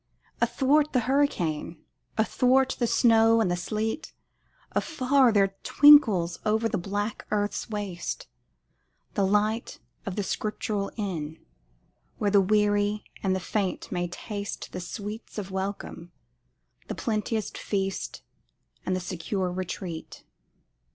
Athwart the hurricane athwart the snow and the sleet, Afar there twinkles over the black earth's waste, The light of the Scriptural inn where the weary and the faint may taste The sweets of welcome, the plenteous feast and the secure retreat.